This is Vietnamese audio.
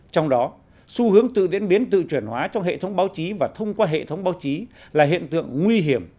trong đó xu hướng tự diễn biến tự chuyển hóa trong hệ thống báo chí và thông qua hệ thống báo chí là hiện tượng nguy hiểm